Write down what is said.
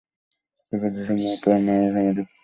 তারপর যে-সব মহাপ্রাণ মানুষ আমি দেখেছি, মি হেল তাঁদের একজন।